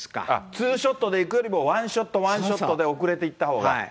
ツーショットで行くよりも、ワンショット、ワンショットで遅れて行ったほうが。